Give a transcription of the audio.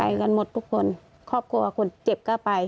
กันหมดทุกคนครอบครัวคนเจ็บก็ไป